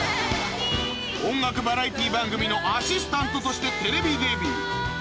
音楽バラエティー番組のアシスタントとしてテレビデビュー